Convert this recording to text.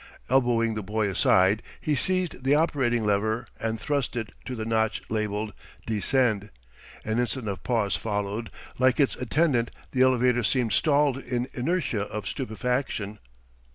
Elbowing the boy aside, he seized the operating lever and thrust it to the notch labelled "Descend." An instant of pause followed: like its attendant the elevator seemed stalled in inertia of stupefaction.